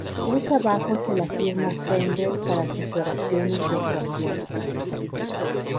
Usa bajos de la firma Fender para sus grabaciones y actuaciones.